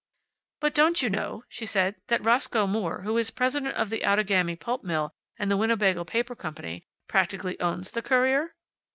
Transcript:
"But don't you know," she said, "that Roscoe Moore, who is president of the Outagamie Pulp Mill and the Winnebago Paper Company, practically owns the Courier?"